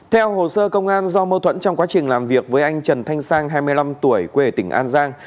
theo hồ sơ công an do mâu thuẫn trong quá trình làm việc với anh trần thanh sang hai mươi năm tuổi quê tỉnh an giang